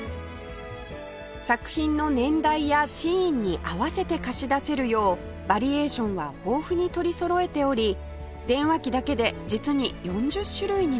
作品の年代やシーンに合わせて貸し出せるようバリエーションは豊富に取りそろえており電話機だけで実に４０種類に上ります